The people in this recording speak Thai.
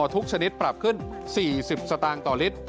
และแก๊สโซฮอล์ทุกชนิดปรับขึ้น๔๐สตางค์ต่อลิตร